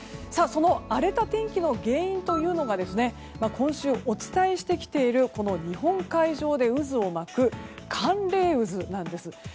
その荒れた天気の原因というのが今週、お伝えしてきている日本海上で渦を巻く、寒冷渦なんです。